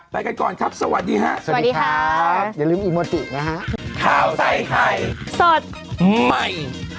โปรดติดตามตอนต่อไป